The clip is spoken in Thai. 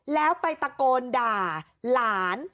แล้วไปตะโกนด่าหลาน